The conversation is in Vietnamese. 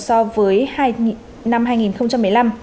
so với năm hai nghìn một mươi năm